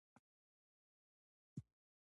یا هم کېدای شي یوه قبیله وي.